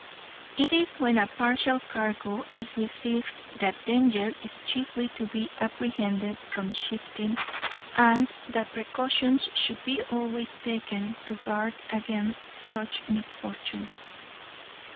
It is when a partial cargo is received that danger is chiefly to be apprehended from shifting, and that precautions should be always taken to guard against such misfortune.